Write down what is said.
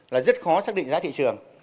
là rất khó xác định giá thị trường